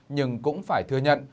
nhưng cũng phải thừa nhận